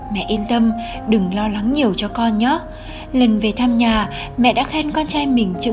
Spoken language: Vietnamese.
mẹ yên tâm đừng lo lắng nhiều cho con nhớt lần về thăm nhà mẹ đã khen con trai mình chịu